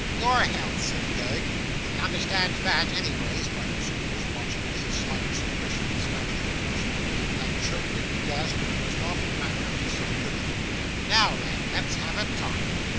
'YOUR health,' said Peg. 'She understands that, anyways,' muttered Squeers, watching Mrs Sliderskew as she dispatched her portion, and choked and gasped in a most awful manner after so doing. 'Now then, let's have a talk.